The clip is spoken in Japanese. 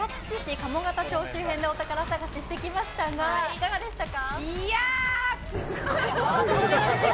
鴨方町周辺でお宝探ししてきましたがいかがでしたか？